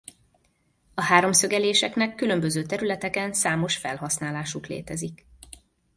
A háromszögeléseknek különböző területeken számos felhasználásuk létezik.